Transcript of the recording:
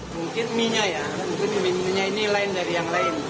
mungkin mie nya ya mungkin mie mie nya ini lain dari yang lain